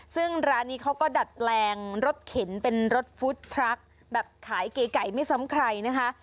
ซึ่งร้านนี้เขาก็ดัดแปลงรถเข็นเป็นรถฟู้ดทรัคแบบขายเก๋ไก่ไม่ซ้ำใครนะคะ